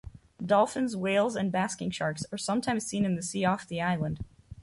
Dolphins, whales and basking shark are sometimes seen in the sea off the island.